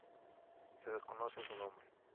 Se desconoce su nombre.